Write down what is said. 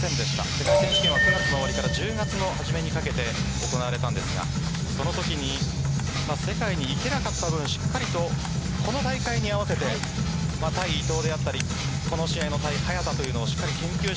世界選手権は９月の終わりから１０月の初めにかけて行われたんですがそのときに世界に行けなかった分しっかりとこの大会に合わせて対伊藤であったりこの試合の早田というのを